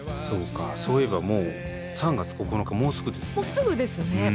そうかそういえばもう３月９日もうすぐですね。